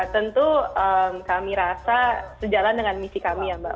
tentu kami rasa sejalan dengan misi kami ya mbak